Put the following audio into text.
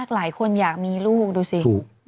หลายคนอยากมีลูกดูสิ